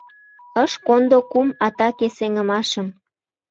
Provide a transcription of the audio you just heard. Ыш кондо кум атаке сеҥымашым.